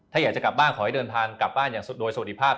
ถ้าอยากจะกลับบ้านขอให้เดินทางกลับบ้านอย่างโดยสวัสดีภาพ